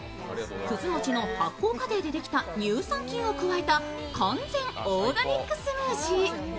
くず餅の発効過程でできた乳酸菌を加えた完全オーガニックスムージー。